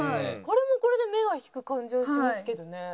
これもこれで目は引く感じはしますけどね。